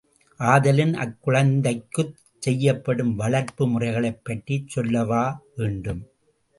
ஆதலின், அக்குழந்தைக்குச் செய்யப்படும் வளர்ப்பு முறைகளைப் பற்றிச் சொல்லவா வேண்டும்?